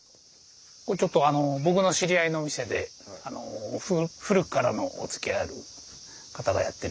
ここちょっと僕の知り合いの店で古くからのおつきあいある方がやってる店で。